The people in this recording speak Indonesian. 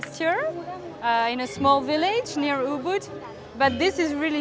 saya sudah melihat kremasi di kota ubud di wilayah kecil